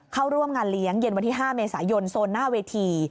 เข้าร่วมงานเลี้ยงเย็นวันที่๕เมษายนโซนหน้าเวที